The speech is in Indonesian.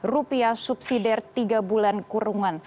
rupiah subsidi tiga bulan kurungan